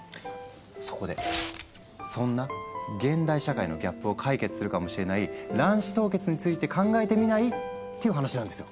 そこでそんな現代社会のギャップを解決するかもしれない卵子凍結について考えてみない？っていう話なんですよ。